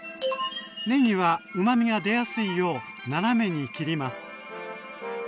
ねぎはうまみが出やすいよう斜めに切ります。